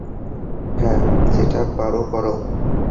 হ্যাঁ, যেটা পারো কর।